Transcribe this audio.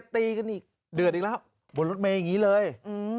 ตีกันอีกเดือดอีกแล้วบนรถเมย์อย่างนี้เลย